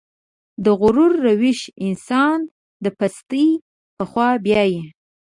د غرور روش انسان د پستۍ په خوا بيايي.